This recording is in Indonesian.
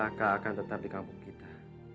maka akan tetap di kampung kita